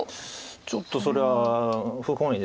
ちょっとそれは不本意です。